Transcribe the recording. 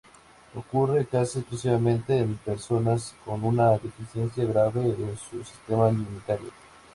Ocurre casi exclusivamente en personas con una deficiencia grave en su sistema inmunitario.